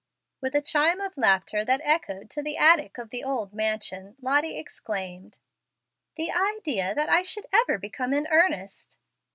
With a chime of laughter that echoed to the attic of the old mansion, Lottie exclaimed, "The idea that I could ever become in earnest!"